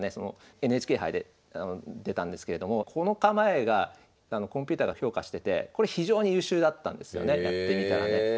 ＮＨＫ杯で出たんですけれどもこの構えがコンピューターが評価しててこれ非常に優秀だったんですよねやってみたらね。